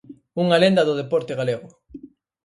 Unha lenda do deporte galego.